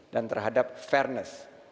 dan terhadap fairness